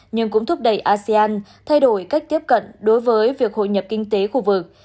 nhưng cũng thúc đẩy asean thay đổi cách tiếp cận đối với việc hội nhập kinh tế khu vực